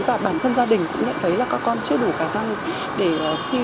và bản thân gia đình cũng nhận thấy là các con chưa đủ khả năng để thi